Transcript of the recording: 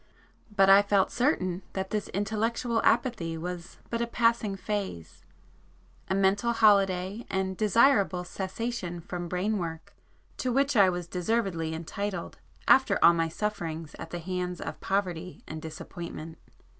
But I felt certain that this intellectual apathy was but a passing phase,—a mental holiday and desirable cessation from brain work to which I was deservedly entitled after all my sufferings at the hands of poverty and disappointment.